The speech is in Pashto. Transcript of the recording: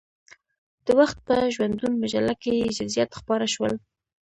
د وخت په ژوندون مجله کې یې جزئیات خپاره شول.